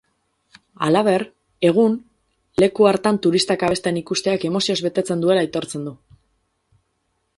Halaber, egun leku hartan turistak abesten ikusteak emozioz betetzen duela aitortzen du.